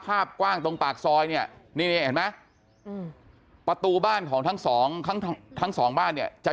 ภาพกว้างตรงปากซอยเนี่ยประตูบ้านของทั้งสองทั้งสองบ้านจะ